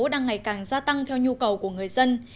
đang ngày càng gia tăng theo nhu cầu của người dân